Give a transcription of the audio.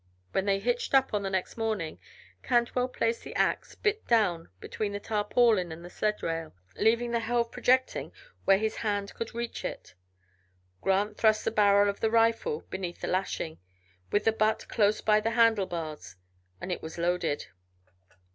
When they hitched up, on the next morning, Cantwell placed the ax, bit down, between the tarpaulin and the sled rail, leaving the helve projecting where his hand could reach it. Grant thrust the barrel of the rifle beneath a lashing, with the butt close by the handle bars, and it was loaded.